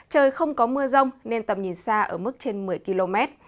trời không có mưa rông nên tầm nhìn xa ở mức trên một mươi km